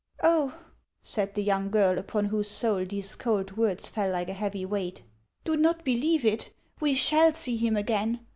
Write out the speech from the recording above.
" Oh," said the young girl, upon whose soul these cold words fell like a heavy weight, " do not believe it. We shall see him again.